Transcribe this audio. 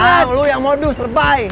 ah lo yang modus rebai